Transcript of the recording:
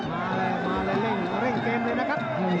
มาเลยเร่งเกมเลยนะครับ